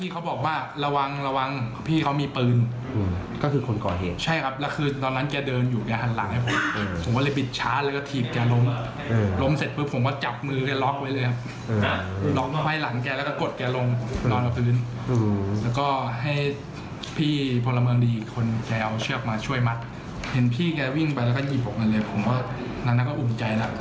ก็วิ่งไปแล้วก็หยิบออกมาเลยผมว่านั้นก็อุ้มใจนะ